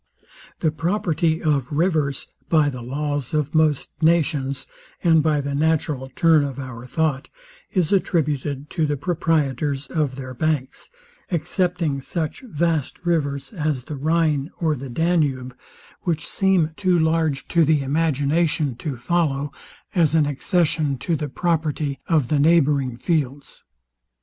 The property of rivers, by the laws of most nations, and by the natural turn of our thought, Is attributed to the proprietors of their banks, excepting such vast rivers as the Rhine or the Danube, which seem too large to the imagination to follow as an accession the property of the neighbouring fields.